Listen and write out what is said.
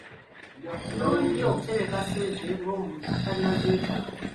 Kirungi okutereka ssente ng'omuntu tannazeetaaga.